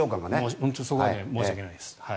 本当にそこは申し訳ないです。